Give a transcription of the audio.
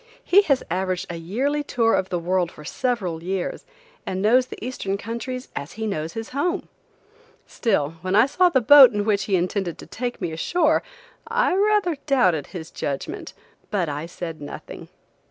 He has averaged a yearly tour of the world for several years, and knows the eastern countries as he knows his home. Still, when I saw the boat in which he intended to take me ashore, I rather doubted his judgment, but I said nothing.